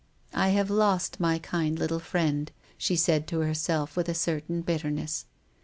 " I have lost my kind little friend," she said to herself with a certain bitterness.